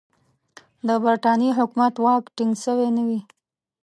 د برټانیې حکومت واک ټینګ سوی نه وي.